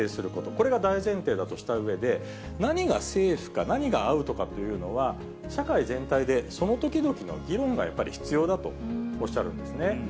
これが大前提だとしたうえで、何がセーフか、何がアウトかというのは、社会全体でその時々の議論がやっぱり必要だとおっしゃるんですね。